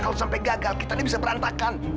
kalau sampai gagal kita ini bisa berantakan